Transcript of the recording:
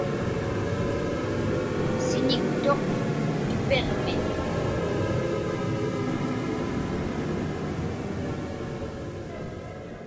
Siñiktuq tupiġmi.